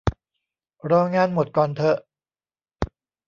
รองานหมดก่อนเถอะ